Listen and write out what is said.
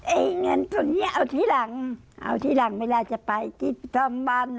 ไอ้เงินตัวนี้เอาทีหลังเอาทีหลังเวลาจะไปคิดซ่อมบ้าน